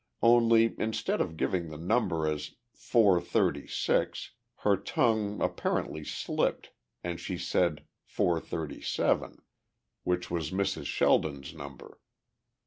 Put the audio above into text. Only, instead of giving the number as four thirty six, her tongue apparently slipped and she said four thirty seven, which was Mrs. Sheldon's number.